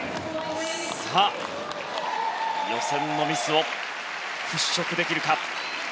さあ、予選のミスを払しょくできるか。